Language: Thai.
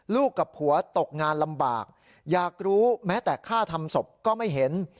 กับผัวตกงานลำบากอยากรู้แม้แต่ฆ่าทำศพก็ไม่เห็น